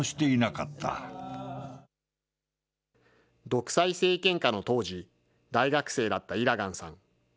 独裁政権下の当時、大学生だったイラガンさん。